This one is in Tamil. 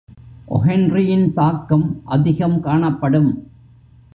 ஒஹென்றியின் தாக்கம் அதிகம் காணப்படும்.